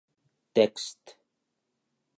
Text: